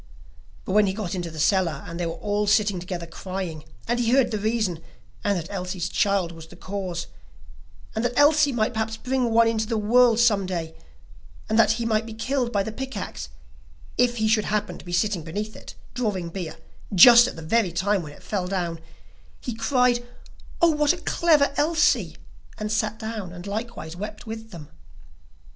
But when he got into the cellar, and they were all sitting together crying, and he heard the reason, and that Elsie's child was the cause, and the Elsie might perhaps bring one into the world some day, and that he might be killed by the pick axe, if he should happen to be sitting beneath it, drawing beer just at the very time when it fell down, he cried: 'Oh, what a clever Elsie!' and sat down, and likewise wept with them.